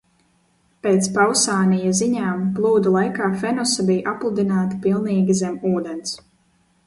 Pēc Pausānija ziņām plūdu laikā Fenosa bija appludināta pilnīgi zem ūdens.